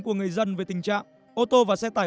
của người dân về tình trạng ô tô và xe tải